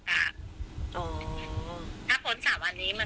ไม่มีไม่มีครับเขาบอกว่าใน๓วันมันจะมีอาการ